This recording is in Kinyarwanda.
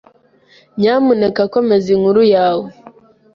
Nyamuneka komeza inkuru yawe.